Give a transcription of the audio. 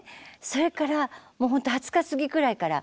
それから２０日過ぎくらいから